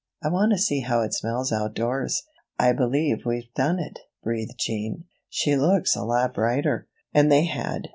"I want to see how it smells outdoors." "I believe we've done it," breathed Jean. "She looks a lot brighter." And they had.